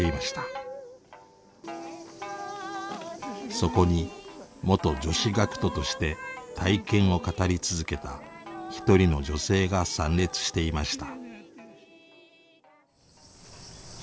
そこに元女子学徒として体験を語り続けた一人の女性が参列していました。